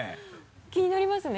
気になりますね。